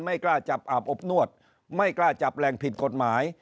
ไม่กล้าจับอาบอบนวดไม่กล้าจับแหล่งผิดกฎหมาย